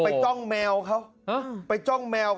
โอโหโอโหกเขาไปจ้องแมวเออร์